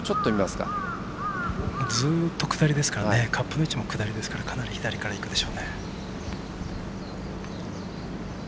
ずっと下りですからカップの位置も下りですからかなり左からです。